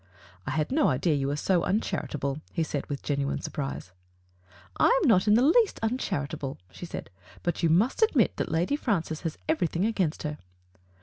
"I had no idea you were so uncharitable," he said, with genuine surprise. ''I am not the least uncharitable," she said; "but you must admit that Lady Francis has everything against her."